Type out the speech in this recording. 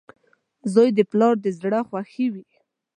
• زوی د پلار د زړۀ خوښي وي.